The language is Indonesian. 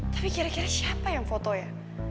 tapi kira kira siapa yang foto ya